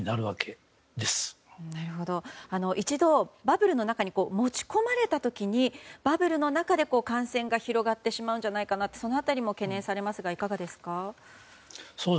一度、バブルの中に持ち込まれた時にバブルの中で感染が広がってしまうんじゃないかなとその辺りも懸念されますがいかがですか。